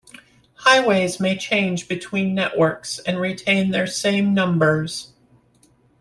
Highways may change between networks and retain their same numbers.